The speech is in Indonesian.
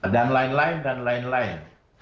dan lain lain dan lain lain